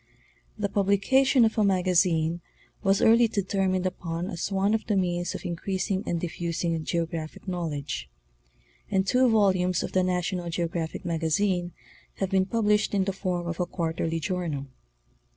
The publication of a magazine was early determined upon as one of the means of increasing and diffusing geographic knowl edge ; and two volumes of 7Vhe National Geographic Magazine have been published in the form of a quarterly journal.